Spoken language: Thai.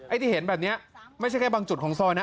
ที่เห็นแบบนี้ไม่ใช่แค่บางจุดของซอยนะ